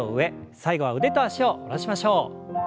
最後は腕と脚を戻しましょう。